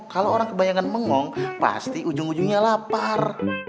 kalau orang kebanyakan mengong pasti ujung ujungnya lapar